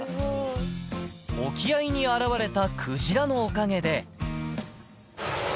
沖合に現れたクジラのおかげで。